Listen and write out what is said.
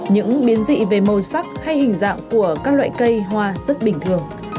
những biến dị về màu sắc hay hình dạng của các loại cây hoa rất bình thường